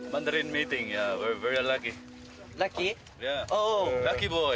ラッキーボーイ。